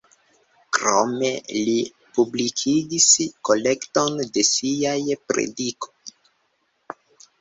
Krome li publikigis kolekton de siaj predikoj.